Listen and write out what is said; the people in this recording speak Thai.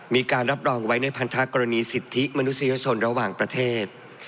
มีการรับรองไว้ในพันธกรณีสิทธิมนุษยชนระหว่างประเทศ